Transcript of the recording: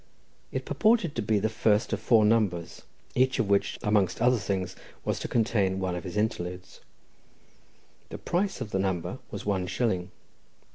It purported to be the first of four numbers, each of which, amongst other things, was to contain one of his interludes. The price of the number was one shilling.